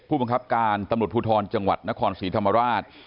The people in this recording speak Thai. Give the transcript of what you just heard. ผู้บังคับการตำรวจภูทรจังหวัดนครศรีธรรมราช